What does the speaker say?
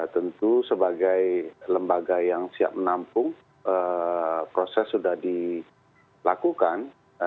tentu sebagai lembaga yang siap menampung proses sudah dilakukan